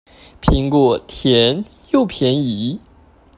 蘋果甜又便宜